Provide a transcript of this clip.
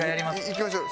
いきましょう。